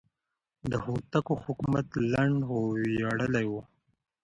د هوتکو حکومت لنډ خو ویاړلی و.